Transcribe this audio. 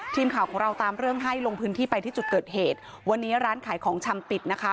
ทีมข่าวของเราตามเรื่องให้ลงพื้นที่ไปที่จุดเกิดเหตุวันนี้ร้านขายของชำปิดนะคะ